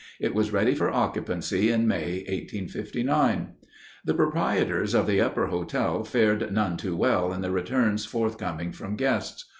It was ready for occupancy in May, 1859. The proprietors of the Upper Hotel fared none too well in the returns forthcoming from guests.